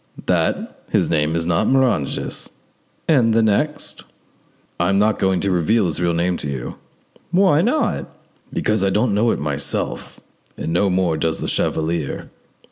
"That his name is not Moranges." "And the next?" "I am not going to reveal his real name to you." "Why not?" "Because I don't know it myself, and no more does the chevalier."